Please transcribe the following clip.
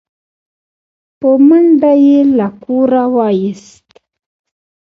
په منډه يې له کوره و ايست